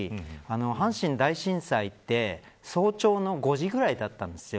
阪神大震災って早朝の５時ぐらいだったんですよ。